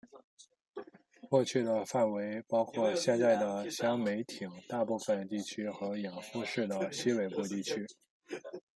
过去的范围包括现在的香美町大部分地区和养父市的西北部地区。